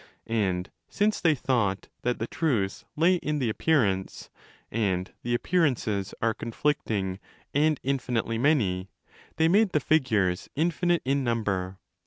And since they thought that the truth lay in the appearance, and the appearances τὸ are conflicting and infinitely many, they made the ' figures' infinite in number.'